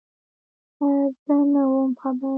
_زه نه وم خبر.